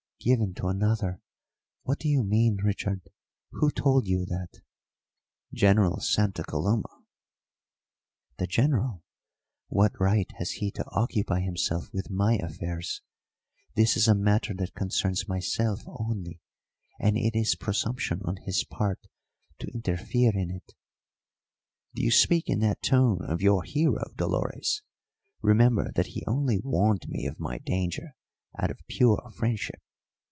"Given to another? What do you mean, Richard? Who told you that?" "General Santa Coloma." "The General? What right has he to occupy himself with my affairs? This is a matter that concerns myself only, and it is presumption on his part to interfere in it." "Do you speak in that tone of your hero, Dolores? Remember that he only warned me of my danger out of pure friendship.